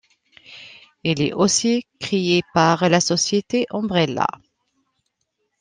Il est aussi crée par la société Umbrella.